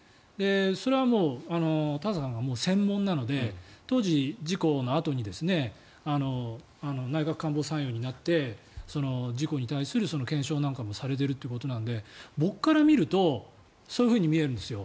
それは田坂さんが専門なので当時、事故のあとに内閣官房参与になって事故に対する検証なんかもされているということなので僕から見るとそういうふうに見えるんですよ。